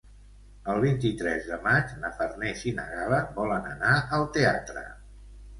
El vint-i-tres de maig na Farners i na Gal·la volen anar al teatre.